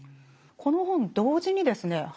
この本同時にですね